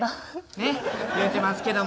ねっ言うてますけども。